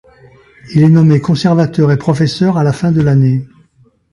Il est nommé conservateur et professeur à la fin de l'année.